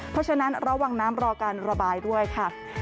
เพราะฉะนั้นระวังน้ำรอการระบายด้วยค่ะ